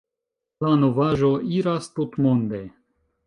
La novaĵo iras tutmonde.